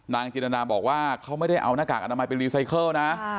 จินตนาบอกว่าเขาไม่ได้เอาหน้ากากอนามัยไปรีไซเคิลนะ